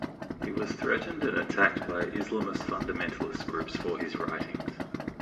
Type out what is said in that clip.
He was threatened and attacked by Islamist fundamentalist groups for his writings.